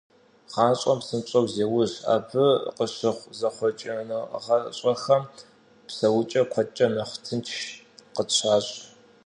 Гъащӏэм псынщӏэу зеужь, абы къыщыхъу зэхъуэкӏыныгъэщӏэхэм псэукӏэр куэдкӏэ нэхъ тынш къытщащӏ.